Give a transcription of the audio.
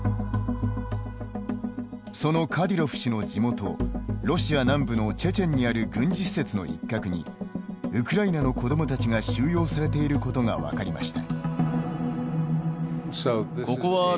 そのカディロフ氏の地元ロシア南部のチェチェンにある軍事施設の一角にウクライナの子どもたちが収容されていることが分かりました。